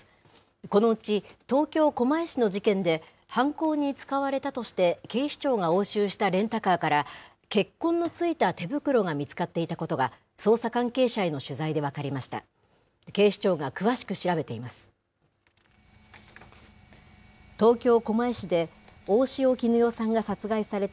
このうち、東京・狛江市の事件で、犯行に使われたとして、警視庁が押収したレンタカーから、血痕のついた手袋が見つかっていたことが、捜査関係者への取材で分かりました。